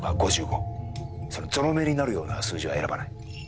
ぞろ目になるような数字は選ばない。